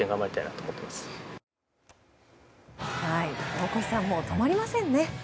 大越さんもう止まりませんね。